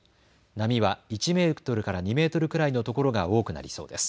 波は１メートルから２メートルくらいの所が多くなりそうです。